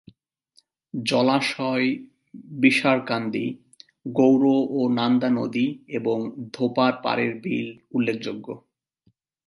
জলাশয় বিষারকান্দি, গৌর ও নান্দা নদী এবং ধোপার পারের বিল উল্লেখযোগ্য।